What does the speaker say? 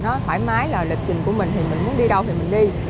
nó thoải mái là lịch trình của mình thì mình muốn đi đâu thì mình đi